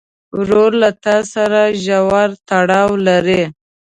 ورور له تا سره ژور تړاو لري.